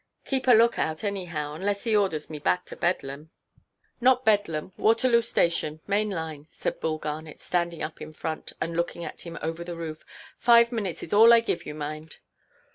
Keep a look–out, anyhow; unless he orders me back to Bedlam." "Not Bedlam. Waterloo Station, main line!" said Bull Garnet, standing up in front, and looking at him over the roof. "Five minutes is all I give you, mind."